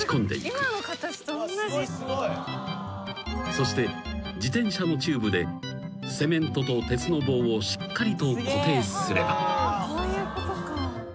［そして自転車のチューブでセメントと鉄の棒をしっかりと固定する］